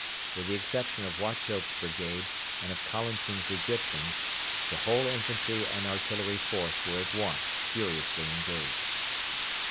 With the exception of Wauchope's brigade and of Collinson's Egyptians, the whole infantry and artillery force were at once furiously engaged.